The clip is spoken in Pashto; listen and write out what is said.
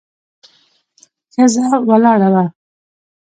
ښځه ولاړه وه.